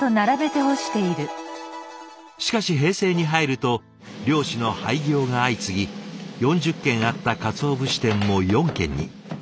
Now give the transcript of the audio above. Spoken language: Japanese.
しかし平成に入ると漁師の廃業が相次ぎ４０軒あった鰹節店も４軒に。